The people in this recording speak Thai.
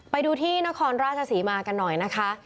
ไปดูที่นครราชศรีมากันหน่อยนะคะ